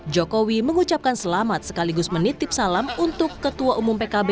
jokowi mengucapkan selamat sekaligus menitip salam untuk ketua umum pkb